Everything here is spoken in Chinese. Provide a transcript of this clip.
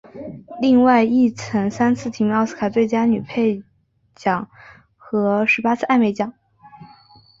另外亦曾三次提名奥斯卡最佳女配角奖和十八次艾美奖。